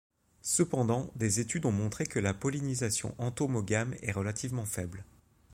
Cependant, des études ont montré que la pollinisation entomogame est relativement faible.